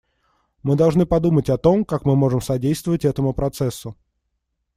Мы должны подумать о том, как мы можем содействовать этому процессу.